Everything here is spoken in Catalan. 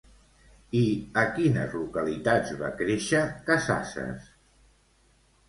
I a quines localitats va créixer Casassas?